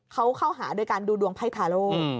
เค้าเข้าหาด้วยการดูดวงไภทะโล